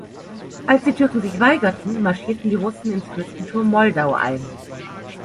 Als die Türken sich weigerten, marschierten die Russen ins Fürstentum Moldau ein.